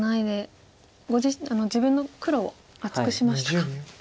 自分の黒を厚くしましたか。